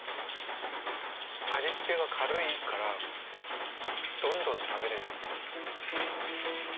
味付けが軽いからどんどん食べれる。